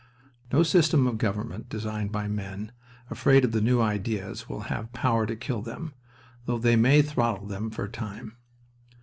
No system of government designed by men afraid of the new ideas will have power to kill them, though they may throttle them for a time.